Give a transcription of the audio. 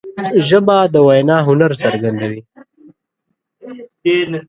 ژبه د وینا هنر څرګندوي